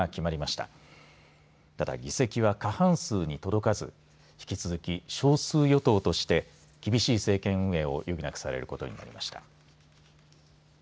ただ議席は過半数に届かず引き続き、少数与党として厳しい政権運営を余儀なくされることになりました。